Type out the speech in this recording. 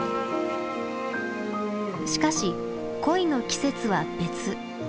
しかし恋の季節は別。